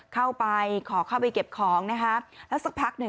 เข้าไปขอเข้าไปเก็บของนะคะแล้วสักพักหนึ่ง